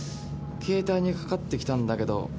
携帯にかかってきたんだけど。